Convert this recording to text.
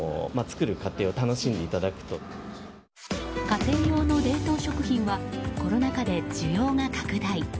家庭用の冷凍食品はコロナ禍で需要が拡大。